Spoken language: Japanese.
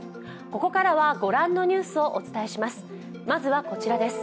ここからはご覧のニュースをお伝えします。